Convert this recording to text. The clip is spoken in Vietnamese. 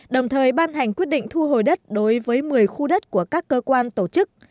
đồng thời ban hành quyết định thu hồi đất đối với một mươi khu đất của các cơ quan tổ chức